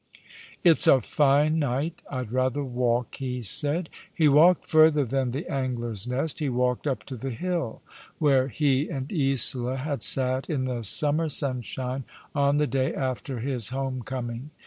" It's a fine night ; I'd rather walk," he said. lie walked further than the Angler's Nep.t. He walked up to the hill where he and Isola had sat in the summer sunshine on the day after his home coming.